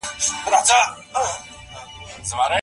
دا جملې په ډېر دقت او غور سره ولولئ.